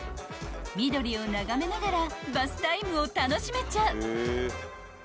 ［緑を眺めながらバスタイムを楽しめちゃう］